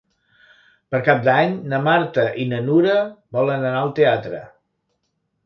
Per Cap d'Any na Marta i na Nura volen anar al teatre.